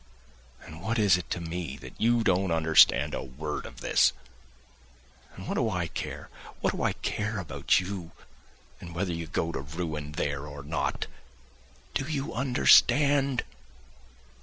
And what is it to me that you don't understand a word of this! And what do I care, what do I care about you, and whether you go to ruin there or not? Do you understand?